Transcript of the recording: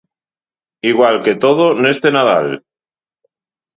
Igual que todo neste Nadal.